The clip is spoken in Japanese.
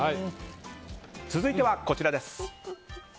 続いては、こちらです。